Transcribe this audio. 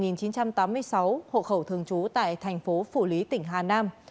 nguyễn đức công sinh năm một nghìn chín trăm tám mươi sáu hộ khẩu thường chú tại thành phố phủ lý tỉnh hà nam